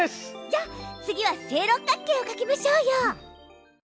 じゃあ次は正六角形を描きましょうよ！